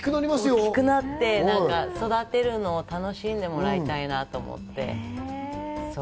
大きくなって、育てるのを楽しんでもらいたいなと思って。